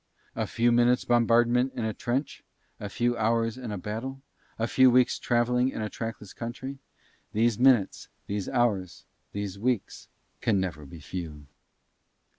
A few minutes' bombardment in a trench, a few hours in a battle, a few weeks' travelling in a trackless country; these minutes, these hours, these weeks can never be few.